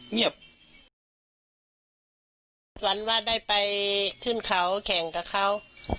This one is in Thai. เงียบวันว่าได้ไปขึ้นเขาแข่งกับเขา